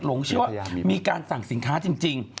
หลงเชื่อว่ามีการสั่งสินค้าจริง